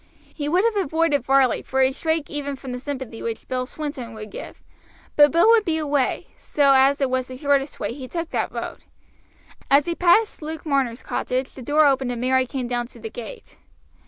He would have avoided Varley, for he shrank even from the sympathy which Bill Swinton would give; but Bill would be away, so as it was the shortest way he took that road. As he passed Luke Marner's cottage the door opened and Mary came down to the gate.